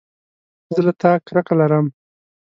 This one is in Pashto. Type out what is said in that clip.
زه له تا کرکه لرم